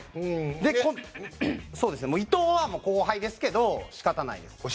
伊藤は後輩ですけど仕方ないです。